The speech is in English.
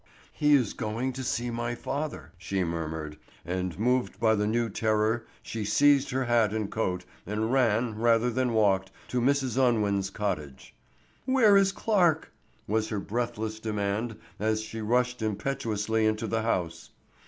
"He is going to see my father," she murmured, and moved by a new terror she seized her hat and coat, and ran, rather than walked, to Mrs. Unwin's cottage. "Where is Clarke?" was her breathless demand as she rushed impetuously into the house.